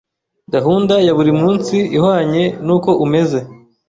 gahunda ya buri munsi ihwanye n’uko umeze.